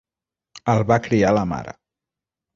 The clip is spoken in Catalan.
El va criar la mare.